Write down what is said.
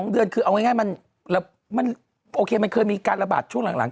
๒เดือนคือเอาง่ายมันโอเคมันเคยมีการระบาดช่วงหลัง